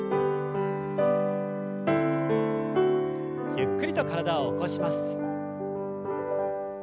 ゆっくりと体を起こします。